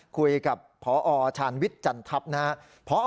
คุยกับพอชาญวิทย์จันทัพนะครับ